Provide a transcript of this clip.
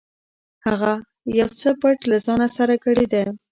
هغه یو څه پټ له ځانه سره ګړېده.